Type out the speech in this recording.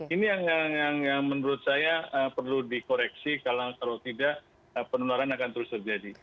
ini yang menurut saya perlu dikoreksi kalau tidak penularan akan terus terjadi